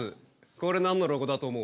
これ何のロゴだと思う？